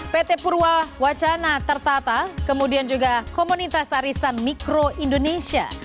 pt purwa wacana tertata kemudian juga komunitas arisan mikro indonesia